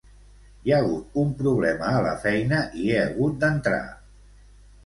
Hi ha hagut un problema a la feina i he hagut d'entrar.